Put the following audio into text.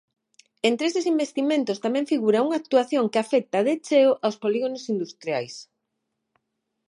Entre eses investimentos tamén figura unha actuación que afecta de cheo aos polígonos industriais.